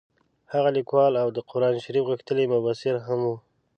هغه لیکوال او د قران شریف غښتلی مبصر هم وو.